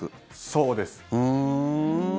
そうです。